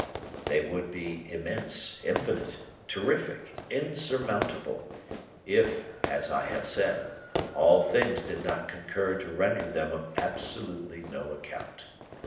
"They would be immense, infinite, terrific, insurmountable, if, as I have said, all things did not concur to render them of absolutely no account.